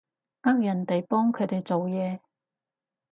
呃人哋幫佢哋做嘢